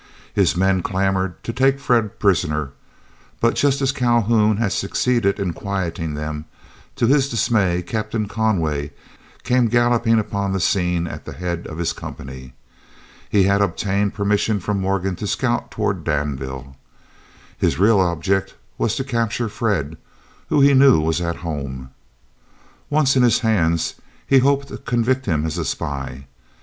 His men clamored to take Fred prisoner, but just as Calhoun had succeeded in quieting them, to his dismay Captain Conway came galloping upon the scene at the head of his company. He had obtained permission from Morgan to scout toward Danville. His real object was to capture Fred, who he knew was at home. Once in his hands, he hoped to convict him as a spy.